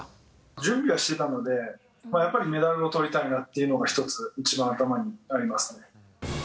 準備はしてたので、やっぱりメダルをとりたいなというのが一つ、一番頭にありますね。